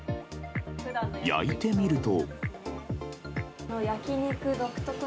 焼いてみると。